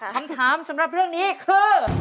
คำถามสำหรับเรื่องนี้คือ